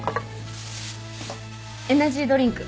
エナジードリンク。